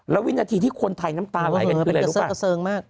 แล้ววินาทีที่คนไทยน้ำตาลายกันคืออะไรรู้ปะ